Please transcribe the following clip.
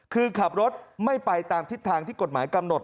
คือขับรถไม่ไปตามทิศทางที่กฎหมายกำหนด